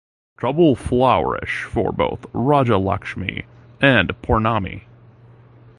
Trouble flourish for both Rajalakshmi and Pournami.